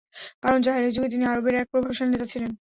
কারণ, জাহেলী যুগে তিনি আরবের এক প্রভাবশালী নেতা ছিলেন।